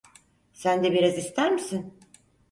Sen de biraz ister misin?